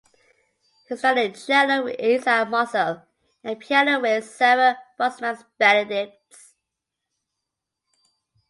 He studied cello with Isaac Mossel and piano with Sarah Bosmans-Benedicts.